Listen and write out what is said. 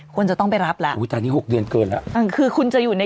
ควรจะต้องไปรับแล้วอุ้ยตอนนี้หกเดือนเกินแล้วอ่าคือคุณจะอยู่ใน